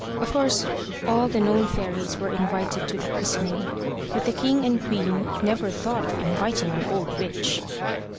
Of course all the known fairies were invited to the christening. But the king and queen never thought of inviting an old witch.